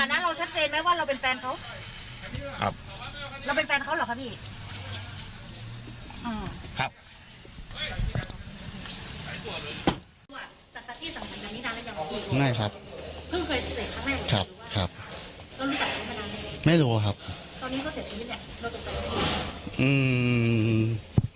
ตอนนี้เขาเสียชีวิตแล้วตกต่อไปไหม